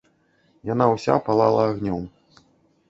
Яна ўся палала агнём.